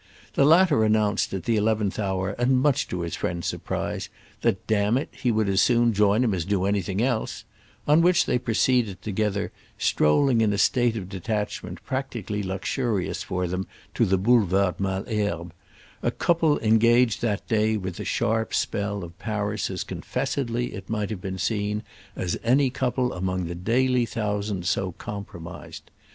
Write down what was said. The latter announced, at the eleventh hour and much to his friend's surprise, that, damn it, he would as soon join him as do anything else; on which they proceeded together, strolling in a state of detachment practically luxurious for them to the Boulevard Malesherbes, a couple engaged that day with the sharp spell of Paris as confessedly, it might have been seen, as any couple among the daily thousands so compromised.